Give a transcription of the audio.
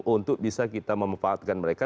untuk bisa kita memanfaatkan mereka